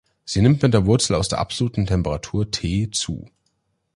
Sie nimmt mit der Wurzel aus der absoluten Temperatur "T" zu.